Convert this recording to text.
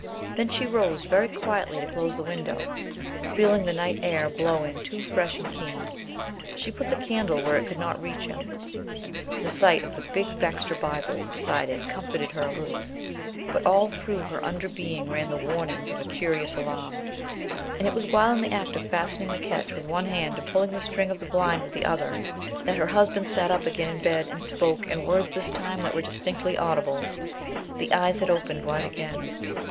Then she rose very quietly to close the window, feeling the night air blow in too fresh and keen. She put the candle where it could not reach him. The sight of the big Baxter Bible beside it comforted her a little, but all through her under being ran the warnings of a curious alarm. And it was while in the act of fastening the catch with one hand and pulling the string of the blind with the other, that her husband sat up again in bed and spoke in words this time that were distinctly audible. The eyes had opened wide again.